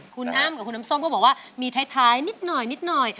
คุณอ้ามกับคุณน้ำส้มก็บอกว่ามีท้ายนิดหน่อย